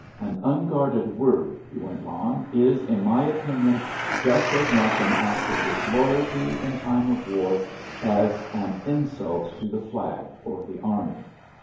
An unguarded word," he went on, "is, in my opinion, just as much an act of disloyalty in time of war as an insult to the flag or the army.